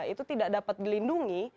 itu tidak dapat dilindungi